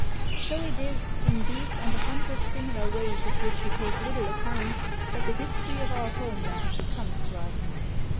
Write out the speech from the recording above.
So it is, in these and a hundred similar ways of which we take little account, that the history of our home land comes to us.